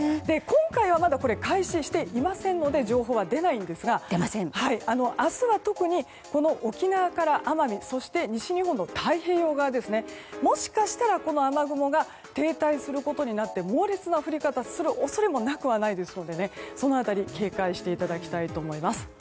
今回はまだ開始していませんので情報は出ないんですが明日は特に沖縄から奄美そして西日本の太平洋側ですねもしかしたら雨雲が停滞することになって猛烈な降り方をする恐れはなくもないのでその辺り警戒していただきたいと思います。